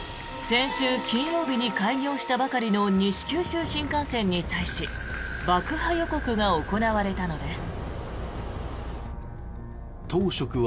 先週金曜日に開業したばかりの西九州新幹線に対し爆破予告が行われたのです。